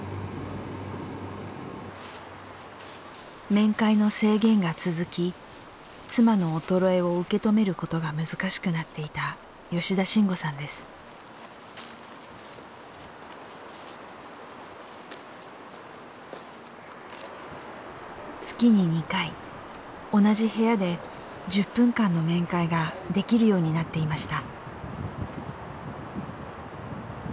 面会の制限が続き妻の衰えを受け止めることが難しくなっていた月に２回同じ部屋で１０分間の面会ができるようになっていました。